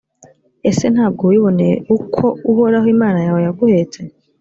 ese nta bwo wiboneye uko uhoraho imana yawe yaguhetse?